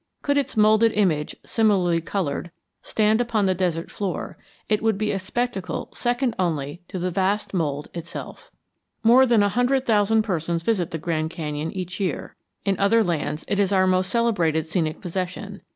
Could its moulded image, similarly colored, stand upon the desert floor, it would be a spectacle second only to the vast mould itself. More than a hundred thousand persons visit the Grand Canyon each year. In other lands it is our most celebrated scenic possession.